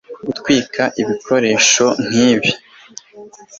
Gutwika ibikoresho nkibi